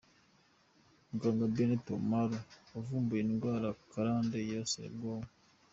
Muganga Bennet Omalu yavumbuye indwara karande yibasira ubwonko.